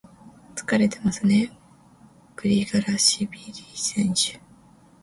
疲れてますね、グリガラシビリ選手。